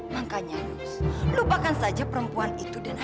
makanya yos lupakan saja perempuan itu dan anaknya